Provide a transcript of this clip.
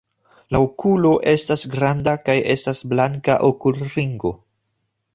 La okulo estas granda kaj estas blanka okulringo.